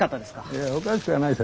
いやおかしかないさ。